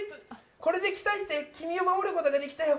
これで鍛えて君を守ることができたよ。